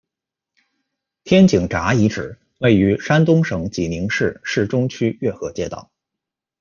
天井闸遗址，位于山东省济宁市市中区越河街道。